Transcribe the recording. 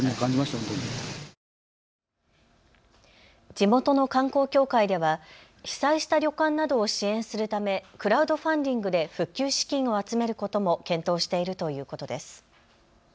地元の観光協会では被災した旅館などを支援するためクラウドファンディングで復旧資金を集めることも検討しているということです。